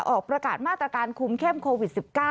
ออกประกาศมาตรการคุมเข้มโควิด๑๙